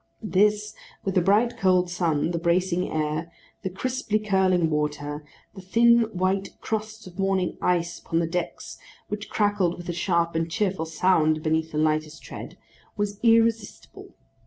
This, with the bright cold sun, the bracing air, the crisply curling water, the thin white crust of morning ice upon the decks which crackled with a sharp and cheerful sound beneath the lightest tread, was irresistible.